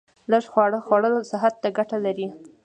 لږ خواړه خوړل صحت ته ګټه لري